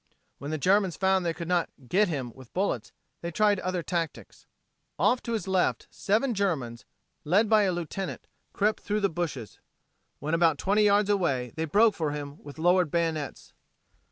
When the Germans found they could not "get him" with bullets, they tried other tactics. Off to his left, seven Germans, led by a lieutenant, crept through the bushes. When about twenty yards away, they broke for him with lowered bayonets.